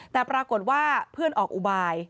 แต่ปรากฏว่าเพื่อนออกอุบาย